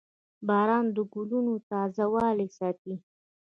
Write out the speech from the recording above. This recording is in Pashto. • باران د ګلونو تازهوالی ساتي.